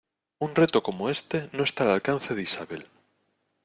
¡Un reto como éste no está al alcance de Isabel!